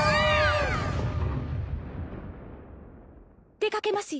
出掛けますよ。